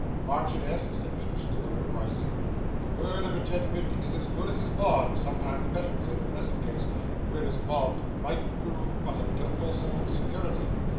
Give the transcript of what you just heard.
'Marchioness,' said Mr Swiveller, rising, 'the word of a gentleman is as good as his bond sometimes better, as in the present case, where his bond might prove but a doubtful sort of security.